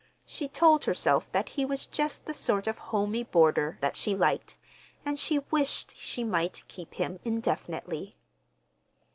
She told herself that he was just the sort of homey boarder that she liked, and she wished she might keep him indefinitely.